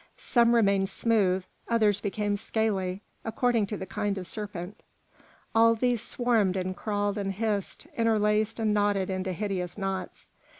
Some remained smooth, others became scaly, according to the kind of serpent. All these swarmed and crawled and hissed, interlaced and knotted into hideous knots.